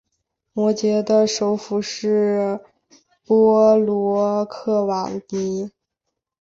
摩羯的首府是波罗克瓦尼。